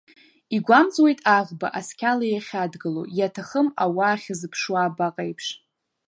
Игәамҵуеит аӷба, асқьала иахьадгылоу, иаҭахым ауаа ахьазыԥшуа абаҟеиԥш.